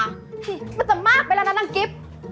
เฮ้ยมันจะมากไปแล้วนะนางกิ๊บ